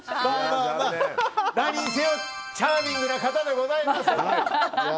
何にせよチャーミングな方でございます。